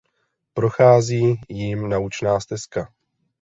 Prochází jím naučná stezka.